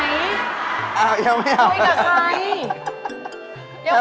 อะยังไม่เอาคุยกับใคร